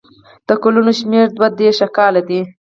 د کلونو شمېر دوه دېرش کاله دی.